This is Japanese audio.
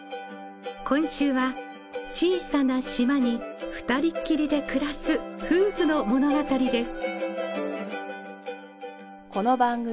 今週は小さな島にふたりっきりで暮らす夫婦の物語です。